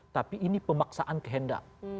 tapi ini pemaksaan kehendak